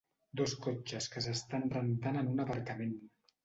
Dos cotxes que s'estan rentant en un aparcament.